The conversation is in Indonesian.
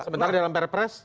sebenarnya dalam perpres